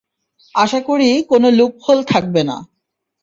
আশা করি কোনো লুপহোল থাকবে না।